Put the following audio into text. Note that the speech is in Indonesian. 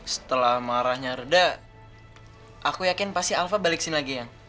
setelah marahnya reda aku yakin pasti alva balik sini lagi yang